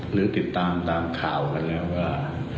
หรือติดตามตามข่าวกันแล้วว่า